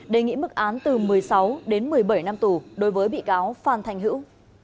đề nghị mức án từ một mươi sáu đến một mươi bảy năm tù đối với bị cáo phan thanh hữu